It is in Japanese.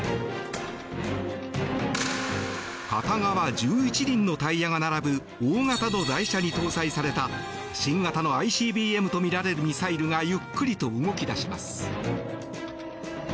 片側１１輪のタイヤが並ぶ大型の台車に搭載された新型のＩＣＢＭとみられるミサイルがゆっくりと動き出します。